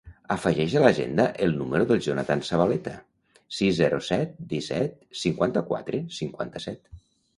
Afegeix a l'agenda el número del Jonathan Zabaleta: sis, zero, set, disset, cinquanta-quatre, cinquanta-set.